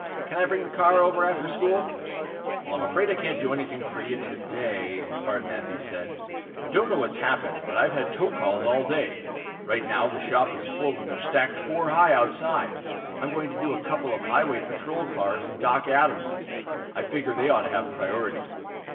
"Can I bring the car over after school?" "I'm afraid I can't do a thing for you today," Art Matthews said. "I don't know what's happened, but I've had tow calls all day. Right now the shop is full and they're stacked four high outside. I'm going to do a couple of highway patrol cars and Doc Adams'. I figured they ought to have priority."